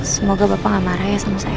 semoga bapak gak marah ya sama saya